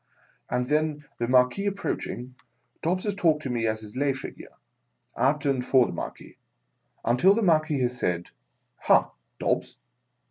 And then, tHe Marquia approaching, Dobbs has talked to me as his lay figure, at and for the Marquis, until the Marquis has said, " Ha, Dobbs